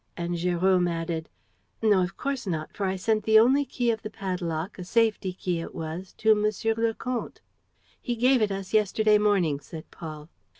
And Jérôme added: "No, of course not, for I sent the only key of the padlock, a safety key it was, to Monsieur le Comte." "He gave it us yesterday morning," said Paul.